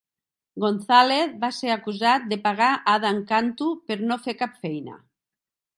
Gonzalez va ser acusat de pagar Adan Cantu per no fer cap feina.